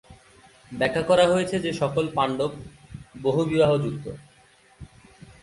ব্যাখ্যা করা হয়েছে যে সকল পাণ্ডব বহুবিবাহ যুক্ত।